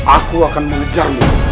aku akan mengejarmu